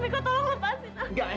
ma mau sendirian